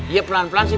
iya pelan pelan sih